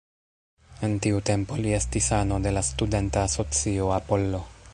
En tiu tempo li estis ano de la studenta asocio "Apollo".